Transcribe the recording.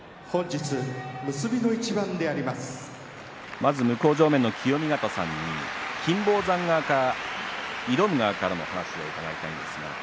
まず向正面の清見潟さんに金峰山側挑む側からの話を聞きます。